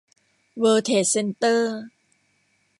เวิลด์เทรดเซ็นเตอร์